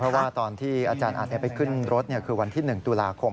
เพราะว่าตอนที่อาจารย์อัดไปขึ้นรถคือวันที่๑ตุลาคม